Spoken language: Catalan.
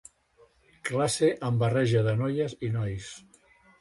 Classe amb barreja de noies i nois.